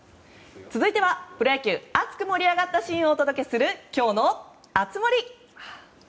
続いてはプロ野球熱く盛り上がったシーンをお届けする今日の熱盛。